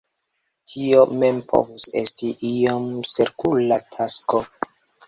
Tio mem povus esti iom Herkula tasko.